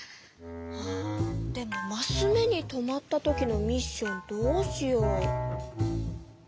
あでもマス目に止まった時のミッションどうしよう？